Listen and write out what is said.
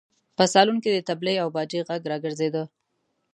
په سالون کې د تبلې او باجې غږ راګرځېده.